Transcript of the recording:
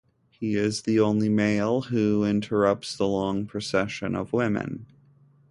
He is the only male who interrupts the long procession of women.